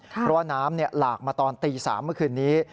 เพราะว่าน้ำหลากมาตอนตี๓เมื่อคืนนี้